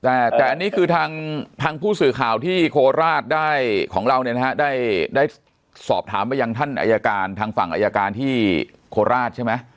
แต่อันนี้คือทางผู้สื่อข่าวที่โคราชได้ของเราเนี่ยนะฮะได้สอบถามไปยังท่านอายการทางฝั่งอายการที่โคราชใช่ไหม